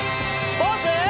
ポーズ！